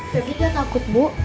febri gak takut bu